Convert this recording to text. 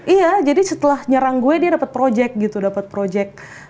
iya jadi setelah nyerang gue dia dapet project gitu dapet project